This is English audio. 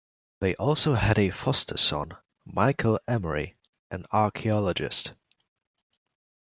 They also had a foster son, Michael Emery, an archaeologist.